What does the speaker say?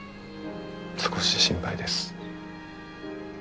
少し心配です。